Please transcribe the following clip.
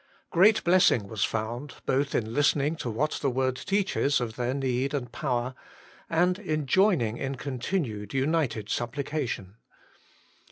Great blessing was found, both in listening to what the Word teaches of their need and power, and in joining in continued united supplication.